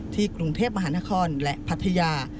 กรุงเทพมหานครและพัทยา